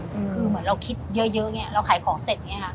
คือเหมือนเราคิดเยอะเราขายของเสร็จเนี่ย